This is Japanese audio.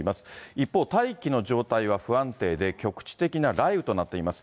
一方、大気の状態は不安定で、局地的な雷雨となっています。